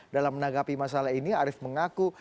dalam menanggapi masalah ini arief mengaku